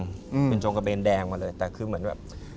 อืมเป็นจงกระเบนแดงมาเลยแต่คือเหมือนแบบ